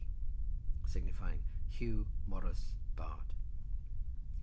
B. signifying Huw Morus Bard.